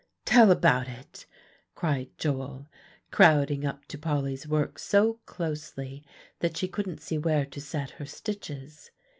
"Tell about it," cried Joel, crowding up to Polly's work so closely that she couldn't see where to set her stitches.